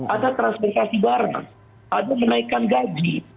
ada transportasi barang ada menaikkan gaji